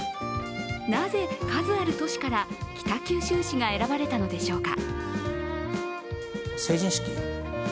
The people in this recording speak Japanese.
なぜ数ある都市から北九州市が選ばれたのでしょうか。